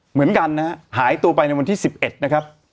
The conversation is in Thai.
เหมือนกันนะฮะหายตัวไปในวันที่๑๑นะครับ